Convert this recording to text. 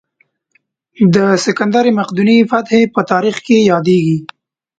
د سکندر مقدوني فتحې په تاریخ کې یادېږي.